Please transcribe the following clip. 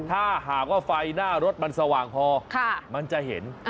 ถ้าหากว่าไฟหน้ารถมันสว่างพอมันจะเห็น